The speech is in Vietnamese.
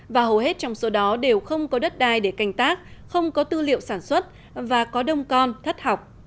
và hầu hết trong số đó đều không có đất đai để canh tác không có tư liệu sản xuất và có đông con thất học